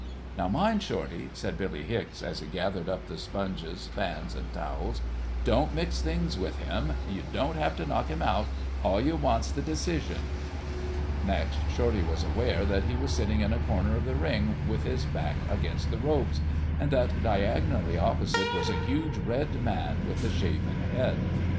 "Now mind, Shorty," said Billy Hicks, as he gathered up the sponges, fans and towels, "don't mix things with him, you don't have to knock him out, all you want's the decision." Next, Shorty was aware that he was sitting in a corner of the ring with his back against the ropes, and that diagonally opposite was a huge red man with a shaven head.